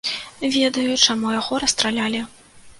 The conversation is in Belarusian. Ведаю, чаму яго расстралялі.